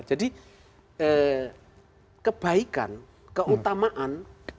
jadi kebaikan keutamaan